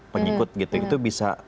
pengikut gitu itu bisa